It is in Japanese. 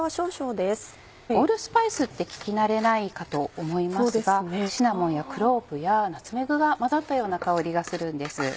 オールスパイスって聞き慣れないかと思いますがシナモンやクローブやナツメッグが混ざったような香りがするんです。